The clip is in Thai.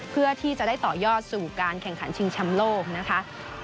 เพื่อที่จะได้ต่อยอดสู่การแข่งขันชิงแชมป์โลกนะคะ